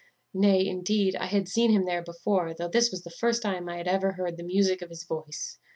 Nay, indeed, I had seen him there before, though this was the first time I had ever heard the music of his voice.